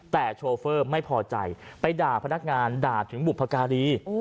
แต่โชเฟอร์ไม่พอใจไปด่าพนักงานด่าถึงบุพการี